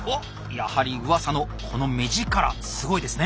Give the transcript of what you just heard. やはりうわさのこの目力すごいですね！